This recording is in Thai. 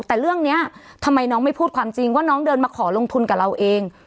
แต่เรื่องนี้ทำไมน้องไม่พูดความจริงว่าน้องเดินมาขอลงทุนกับเราเอง